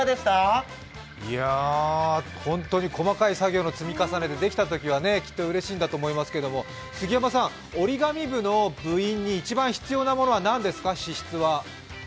いや、本当に細かい作業の積み重ねできっとうれしいんだと思うんですけど杉山さん、折り紙部の部員に一番必要な資質は何ですか？